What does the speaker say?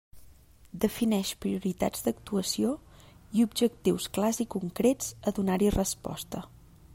Defineix prioritats d'actuació i objectius clars i concrets a donar-hi resposta.